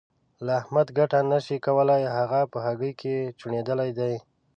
له احمده ګټه نه شې کولای؛ هغه په هګۍ کې چوڼېدلی دی.